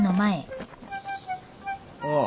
ああ。